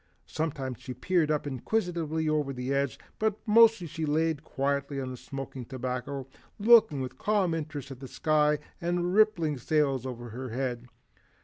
Sometimes she peered up inquisitively over the edge, but mostly she lay quietly on the smoking tobacco, looking with calm interest at the sky and the rippling sails over her head.